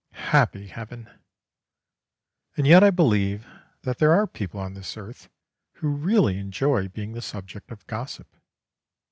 Happy heaven! and yet I believe that there are people on this earth who really enjoy being the subject of gossip.